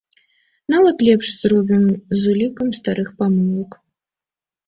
Нават лепш зробім, з улікам старых памылак.